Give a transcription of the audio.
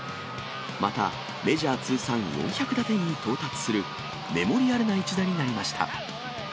またメジャー通算４００打点に到達するメモリアルな一打になりました。